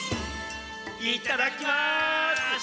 いただきます！